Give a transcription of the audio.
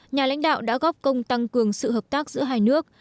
nhà lãnh đạo đã góp công tăng cường sự hợp tác giữa hai nước